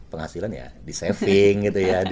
penghasilan ya di saving gitu ya